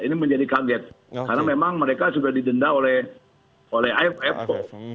ini menjadi kaget karena memang mereka sudah didenda oleh affo